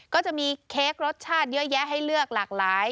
ก็จะมีเค้กรสชาติเยอะแยะให้เลือกหลากหลาย